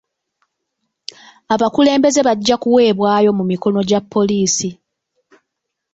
Abakulembeze bajja kuweebwayo mu mikono gya poliisi.